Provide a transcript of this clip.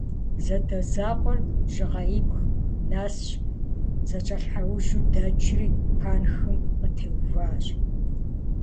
Зэадэзэкъуэр Жьыгъэибг нэсщ, зэкӀэлъхьэужьу дэкӀри пэнтхым къытеуващ.